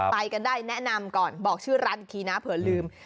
ไปกันได้แนะนำก่อนบอกชื่อร้านอีกทีนะเผื่อลืม